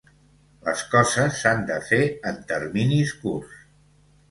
Les coses s’han de fer en terminis curts.